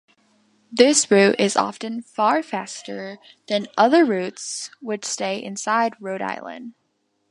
This route is often far faster than other routes which stay inside Rhode Island.